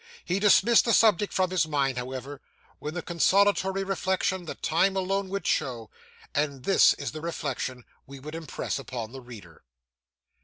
He dismissed the subject from his mind, however, with the consolatory reflection that time alone would show; and this is the reflection we would impress upon the reader.